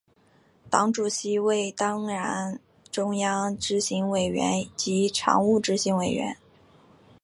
党主席为为当然中央执行委员及常务执行委员。